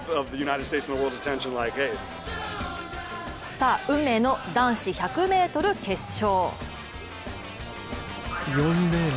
さあ、運命の男子１００ｍ決勝。